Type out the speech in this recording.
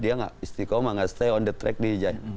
dia nggak istiqomah gak stay on the track di jaya